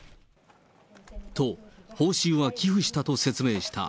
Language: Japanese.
と、報酬は寄付したと説明した。